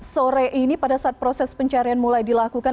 sore ini pada saat proses pencarian mulai dilakukan